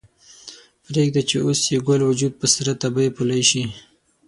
پریږده چې اوس یې ګل وجود په سره تبۍ پولۍ شي